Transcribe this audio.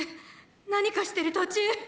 何かしてる途中！